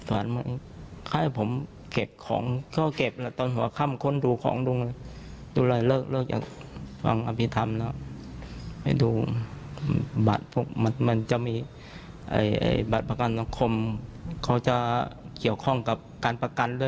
ว่าพ่อกำลังทำอะไรอยู่